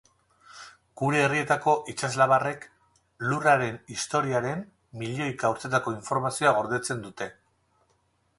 Gure herrietako itsaslabarrek Lurraren historiaren milioika urtetako informazioa gordetzen dute.